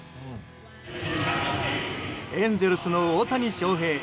エンゼルスの大谷翔平。